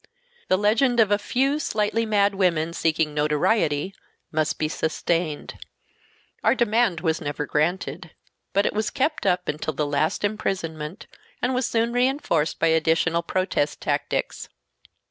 The legend of "a few slightly mad women seeking notoriety" must be sustained. Our demand was never granted, but it was kept up until the last imprisonment and was soon reinforced by additional protest tactics.